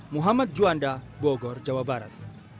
muhammad juanda bogor jawa barat